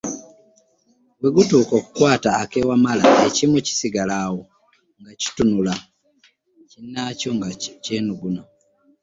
Bwe gutuuka okukwata ak’e Wamala ekimu kisigala awo nga kitunula, kinnaakyo nga kyenuguuna.